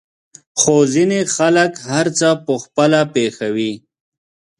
خو ځينې خلک هر څه په خپله پېښوي.